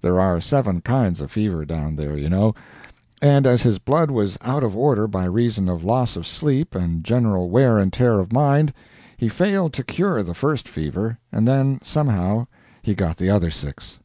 There are seven kinds of fever down there, you know; and, as his blood was out of order by reason of loss of sleep and general wear and tear of mind, he failed to cure the first fever, and then somehow he got the other six.